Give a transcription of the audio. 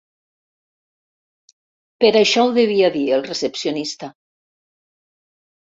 Per això ho devia dir el recepcionista.